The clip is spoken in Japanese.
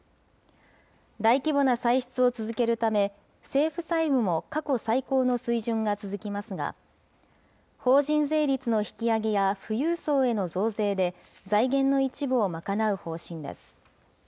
大規模な歳出を続けるため、政府債務も過去最高の水準が続きますが、法人税率の引き上げや富裕層への増税で、財源の一部を賄う方針です。